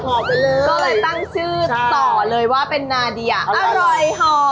ไปเลยก็เลยตั้งชื่อต่อเลยว่าเป็นนาเดียอร่อยห่อ